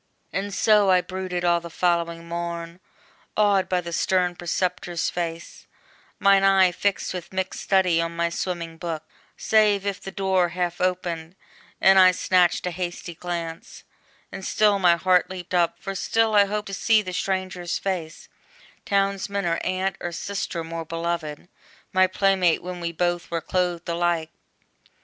And so I brooded all the following morn, Awed by the stern preceptor's face, mine eye Fixed with mick study on my swimming book: Save if the door half opened, and I snatched A hasty glance, and still my heart leaped up, For still I hoped to see the stranger's face, Townsman, or aunt, or sister more beloved, My play mate when we both were clothed alike!